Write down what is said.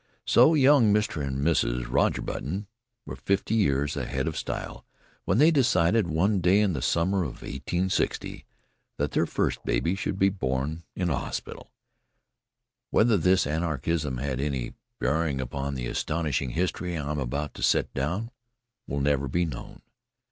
So young Mr. and Mrs. Roger Button were fifty years ahead of style when they decided, one day in the summer of 1860, that their first baby should be born in a hospital. Whether this anachronism had any bearing upon the astonishing history I am about to set down will never be known.